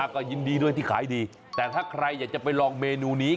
ก็ยินดีด้วยที่ขายดีแต่ถ้าใครอยากจะไปลองเมนูนี้